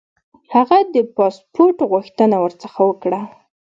هغه د پاسپوټ غوښتنه ورڅخه وکړه.